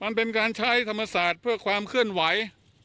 มันเป็นการใช้ธรรมศาสตร์เพื่อความเคลื่อนไหว